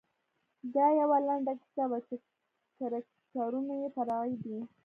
دا یوه لنډه کیسه وه چې کرکټرونه یې فرعي دي.